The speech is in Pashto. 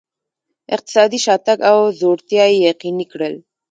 اقتصادي شاتګ او ځوړتیا یې یقیني کړل.